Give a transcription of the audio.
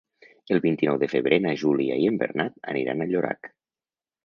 El vint-i-nou de febrer na Júlia i en Bernat aniran a Llorac.